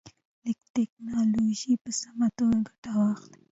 له ټکنالوژۍ په سمه توګه ګټه واخلئ.